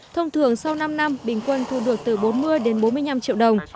thông thường sau năm năm bình quân thu được từ bốn mươi đến bốn mươi năm triệu đồng